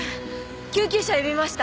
救急車呼びました。